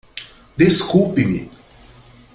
Desculpe-me!